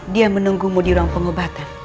dia menunggumu di ruang pengobatan